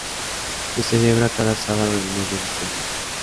Se celebra cada sábado del mes de diciembre.